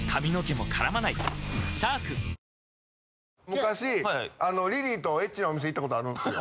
昔リリーとエッチなお店行ったことあるんですよ。